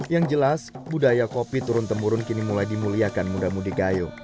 yang jelas budaya kopi turun temurun kini mulai dimuliakan muda mudi gayo